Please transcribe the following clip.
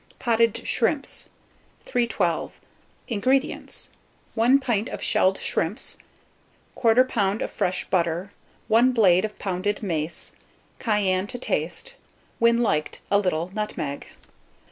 POTTED SHRIMPS. 312. INGREDIENTS. 1 pint of shelled shrimps, 1/4 lb. of fresh butter, 1 blade of pounded mace, cayenne to taste; when liked, a little nutmeg.